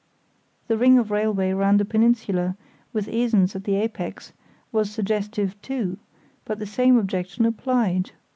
The ring of railway round the peninsula, with Esens at the apex, was suggestive, too; but the same objection applied.